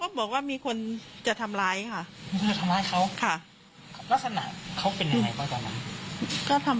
บอกว่ามีคนจะทำร้ายค่ะทำร้ายเขาค่ะลักษณะเขาเป็นยังไงบ้างตอนนั้น